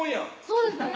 そうですね